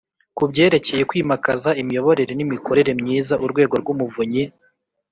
Ku byerekeye kwimakaza imiyoborere n imikorere myiza Urwego rw umuvunyi